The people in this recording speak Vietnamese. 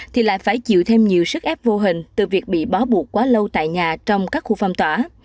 thì lại phải chịu thêm nhiều sức ép vô hình từ việc bị bó buộc quá lâu tại nhà trong các khu phong tỏa